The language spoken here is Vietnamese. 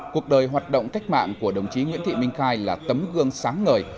cuộc đời hoạt động cách mạng của đồng chí nguyễn thị minh khai là tấm gương sáng ngời